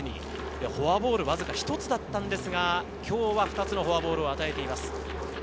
フォアボール、わずか１つだったんですが、今日は２つのフォアボールを与えています。